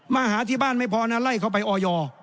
มาหาที่บ้านไม่พอนะไล่เขาไปออย